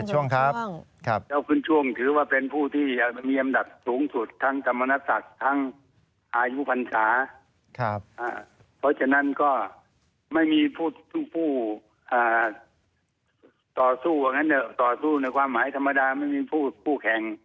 เจ้าคุณช่วงถือว่าเป็นผู้ที่มีอำนาจสูงสุดทั้งธรรมนศักดิ์ทั้งอายุพันธ์สาเพราะฉะนั้นก็ไม่มีผู้ต่อสู้ในความหมายธรรมดาไม่มีผู้แข่ง